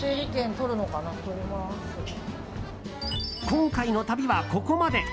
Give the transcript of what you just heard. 今回の旅は、ここまで。